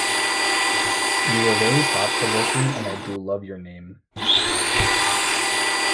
You were very thought-provoking and I do love your name.